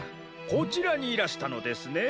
こちらにいらしたのですね？